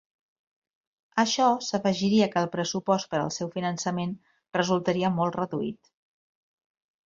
A això s'afegiria que el pressupost per al seu finançament resultaria molt reduït.